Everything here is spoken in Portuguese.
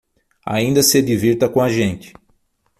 Ainda se divirta com a gente.